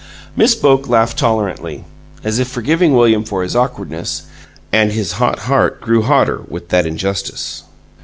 Miss Boke laughed tolerantly, as if forgiving William for his awkwardness, and his hot heart grew hotter with that injustice.